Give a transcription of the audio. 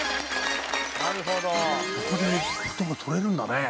ここで音がとれるんだね。